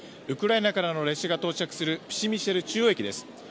ウクライナからの列車が到着するプシェミシル中央駅です。